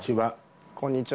こんにちは。